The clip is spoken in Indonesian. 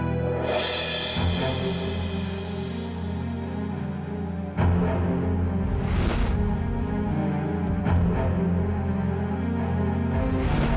bisa jadi semua orang bisa melakukannya